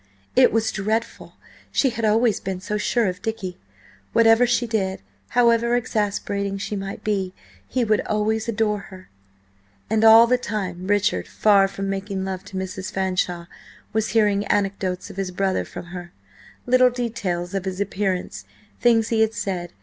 It was dreadful: she had always been so sure of Dicky! Whatever she did, however exasperating she might be, he would always adore her. And all the time, Richard, far from making love to Mrs. Fanshawe, was hearing anecdotes of his brother from her, little details of his appearance, things he had said.